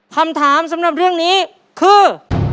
คำถามสำหรับเรื่องนี้คือ